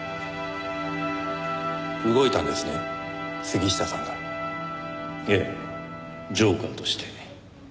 動いたんですね杉下さんが。ええジョーカーとして。